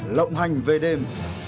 lộng hành về đêm